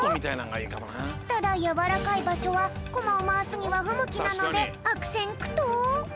ただやわらかいばしょはこまをまわすにはふむきなのであくせんくとう。